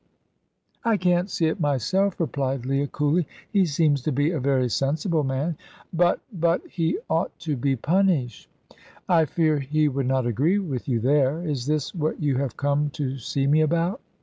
"I can't see it myself," replied Leah, coolly. "He seems to be a very sensible man." "But but he ought to be punished." "I fear he would not agree with you there. Is this what you have come to see me about?"